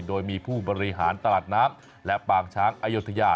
โดยมีผู้บริหารตลาดน้ำและปางช้างอายุทยา